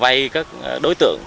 vay các đối tượng